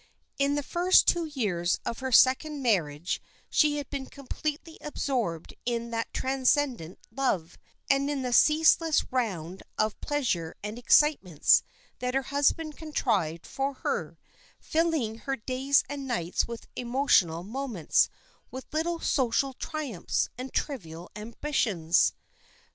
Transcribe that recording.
In the first two years of her second marriage she had been completely absorbed in that transcendent love, and in the ceaseless round of pleasures and excitements that her husband contrived for her, filling her days and nights with emotional moments, with little social triumphs and trivial ambitions.